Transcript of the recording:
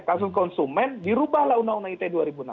kasus konsumen dirubahlah undang undang ite dua ribu enam belas